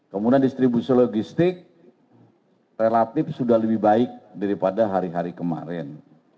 kemudian distribusi logistik relatif sudah lebih baik daripada hari hari kemarin